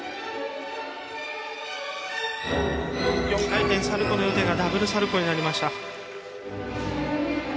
４回転サルコウの予定がダブルサルコウになりました。